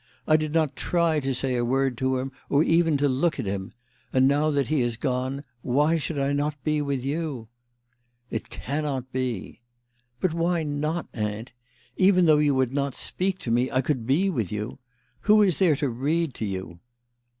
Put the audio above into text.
I did not try to say a word to him, or even to look at him ; and now that he has gone, why should I not be with you ?"" It cannot be." " But why not, aunt ? Even though you would not speak to me I could be with you. Who is there to read to you?